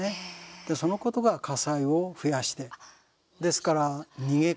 で、そのことが火災を増やして、ですから逃げ方。